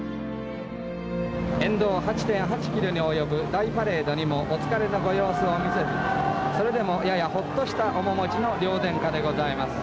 「沿道８．８キロに及ぶ大パレードにもお疲れのご様子を見せずそれでもややホッとした面持ちの両殿下でございます」。